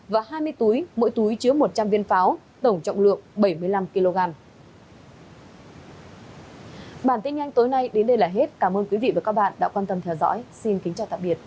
và hai mươi túi mỗi túi chứa một trăm linh viên pháo tổng trọng lượng bảy mươi năm kg